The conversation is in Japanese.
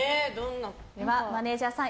マネジャーさん